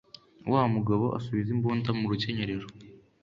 Wa mugabo asubiza imbunda mu rukenyerero.